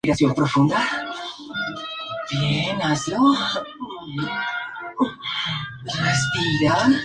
Fue costeada por el padre de Higginson, Henry Lee Higginson.